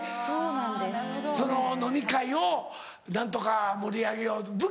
その飲み会を何とか盛り上げようと。